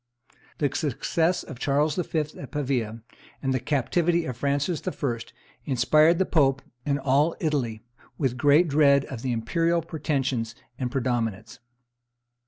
The success of Charles V. at Pavia and the captivity of Francis I. inspired the pope and all Italy with great dread of the imperial pretensions and predominance.